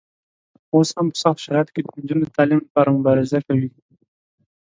اوس هم په سختو شرایطو کې د نجونو د تعلیم لپاره مبارزه کوي.